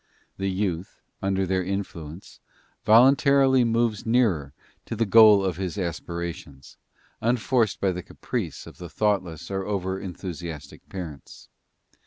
The youth, under their influence, voluntarily moves nearer to the goal of his aspirations, unforced by the caprice of the thoughtless or over enthusiastic parents.